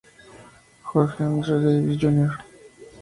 George Andrew Davis, Jr.